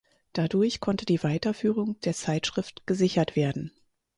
Dadurch konnte die Weiterführung der Zeitschrift gesichert werden.